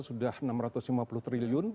sudah rp enam ratus lima puluh triliun